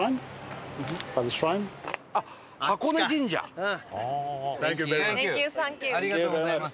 伊達：ありがとうございます。